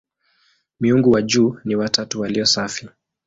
Miungu wa juu ni "watatu walio safi".